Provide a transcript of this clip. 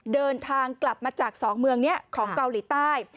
เดินทางกลับมาจาก๒เมืองนี้ของเกาหลีใต้